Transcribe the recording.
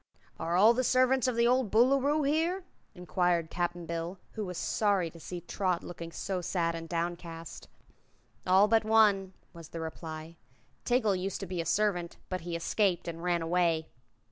"Are all the servants of the old Boolooroo here?" inquired Cap'n Bill, who was sorry to see Trot looking so sad and downcast. "All but one," was the reply. "Tiggle used to be a servant, but he escaped and ran away."